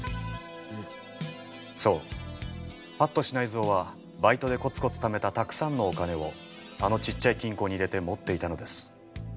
そう八渡支内造はバイトでコツコツためたたくさんのお金をあのちっちゃい金庫に入れて持っていたのです。